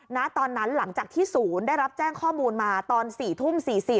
ณตอนนั้นหลังจากที่ศูนย์ได้รับแจ้งข้อมูลมาตอน๔ทุ่ม๔๐